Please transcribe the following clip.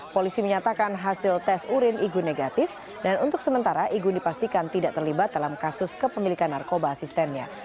polisi menyatakan hasil tes urin igun negatif dan untuk sementara igun dipastikan tidak terlibat dalam kasus kepemilikan narkoba asistennya